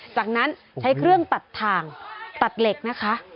จากนั้นใช้เครื่องตัดทางตัดเหล็กนะคะ